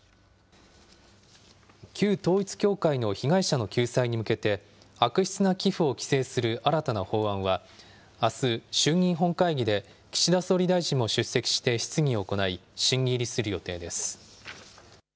旧統一教会の被害者の救済に向けて、悪質な寄付を規制する新たな法案は、あす、衆議院本会議で岸田総理大臣も出席して質疑を行い、審議入りする予定です。